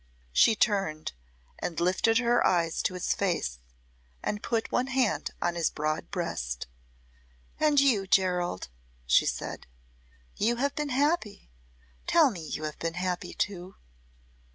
She turned and lifted her eyes to his face and put one hand on his broad breast. "And you, Gerald," she said; "you have been happy. Tell me you have been happy, too."